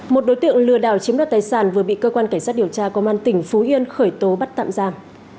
một đối tượng lừa đảo chiếm đoạt tài sản vừa bị cơ quan cảnh sát điều tra công an tỉnh phú yên khởi tố bắt tạm giam